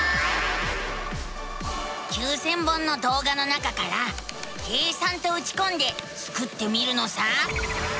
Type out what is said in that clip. ９，０００本のどうがの中から「計算」とうちこんでスクってみるのさ。